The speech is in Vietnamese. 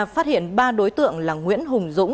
phát hiện ba đối tượng là nguyễn hùng dũng